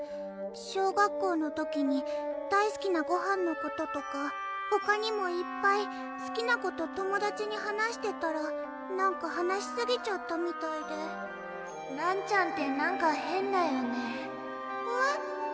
小学校の時に大すきなごはんのこととかほかにもいっぱいすきなこと友達に話してたらなんか話しすぎちゃったみたいでらんちゃんってなんか変だよねえっ？